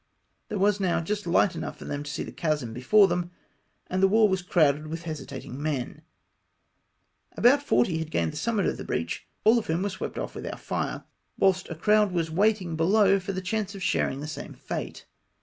There was now j ust light enough for them to see the chasm before them, and the wall was crowded with hesitating men. About forty had gained the summit of the breach, aU of whom wei'e swept off with our fire ; Avhilst a crowd was waiting below for the chance of sharing the same fate.